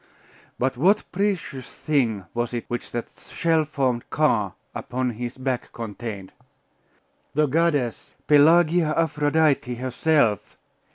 But what precious thing was it which that shell formed car upon his back contained? The goddess! Pelagia Aphrodite herself?